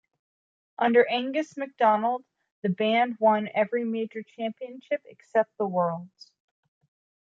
Under Angus MacDonald the band won every major championship except the Worlds.